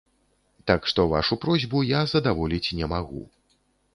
Так што вашу просьбу я задаволіць не магу.